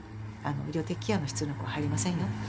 医療的ケアの必要な子は入れませんよって。